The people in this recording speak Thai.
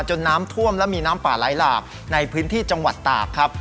น้ำท่วมและมีน้ำป่าไหลหลากในพื้นที่จังหวัดตากครับ